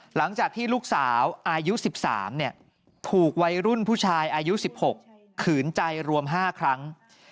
หลังจากที่ลูกสาวอายุ๑๓ถูกวัยรุ่นผู้ชายอายุ๑๖ขืนใจรวม๕ครั้ง